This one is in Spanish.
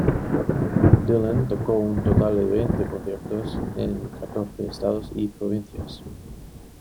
Dylan tocó un total de veinte conciertos en catorce estados y provincias.